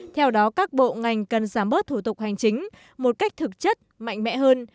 theo đó các bộ ngành cần giảm bớt thủ tục hành chính một cách thực chất mạnh mẽ hơn